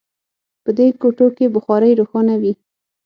په دې کوټو کې بخارۍ روښانه وي